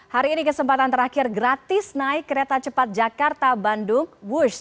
hari ini kesempatan terakhir gratis naik kereta cepat jakarta bandung wush